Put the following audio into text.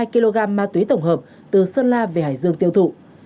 một mươi hai kg ma túy tổng hợp từ sơn la về hải dương tiêu thụ